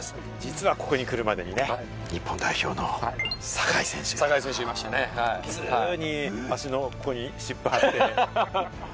実はここに来るまでにね、日本代表の酒井選手、普通に足のここに湿布貼って。